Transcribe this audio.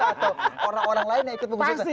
atau orang orang lainnya ikut mengusutkan